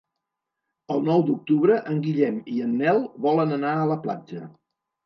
El nou d'octubre en Guillem i en Nel volen anar a la platja.